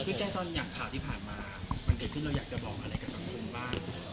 คือใจซอนอย่างข่าวที่ผ่านมามันเกิดขึ้นเราอยากจะบอกอะไรกับสังคมบ้าง